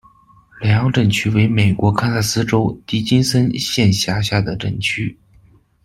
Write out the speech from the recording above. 莱昂镇区为美国堪萨斯州迪金森县辖下的镇区。